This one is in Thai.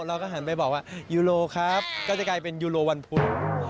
เราก็หันไปบอกว่ายูโรครับก็จะกลายเป็นยูโรวันพุธ